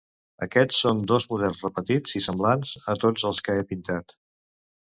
Aquests són dos models repetits i semblants a tots els que he pintat.